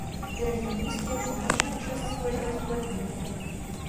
Берагі нізкія, у паўночнай частцы возера сплавінныя.